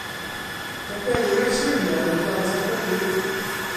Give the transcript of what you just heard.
Mae Dewi a Siriol yn blant arbennig.